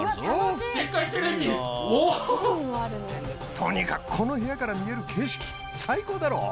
とにかくこの部屋から見える景色最高だろ。